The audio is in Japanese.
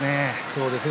そうですね